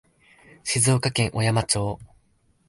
静岡県小山町